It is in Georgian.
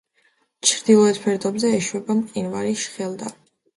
ჩრდილოეთ ფერდობზე ეშვება მყინვარი შხელდა.